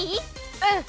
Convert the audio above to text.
うん！